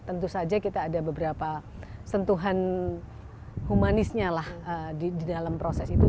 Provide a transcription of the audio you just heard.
tentu saja kita ada beberapa sentuhan humanisnya lah di dalam proses itu